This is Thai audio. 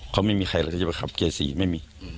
เขาไม่มีใครแล้วจะไปขับเกียร์๔ไม่มี